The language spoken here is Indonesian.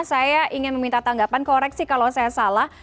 saya ingin meminta tanggapan koreksi kalau saya salah